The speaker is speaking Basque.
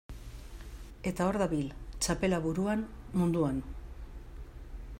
Eta hor dabil, txapela buruan, munduan.